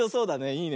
いいね。